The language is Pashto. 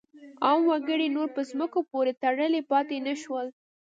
عام وګړي نور په ځمکو پورې تړلي پاتې نه شول.